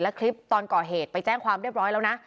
คลิปตอนก่อเหตุไปแจ้งความเรียบร้อยแล้วนะ